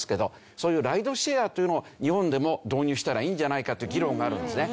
そういうライドシェアというのを日本でも導入したらいいんじゃないかという議論があるんですね。